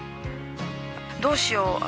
どうしよう？